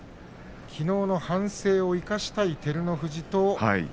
きのうの反省を生かしたい照ノ富士。